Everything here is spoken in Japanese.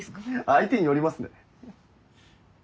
相手によりますね。